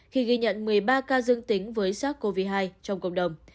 khi ghi nhận một mươi ba ca dương tính với sars cov hai trong cộng đồng